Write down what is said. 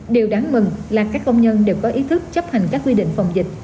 điều đáng mừng là các công nhân đều có ý thức chấp hành các quy định phòng dịch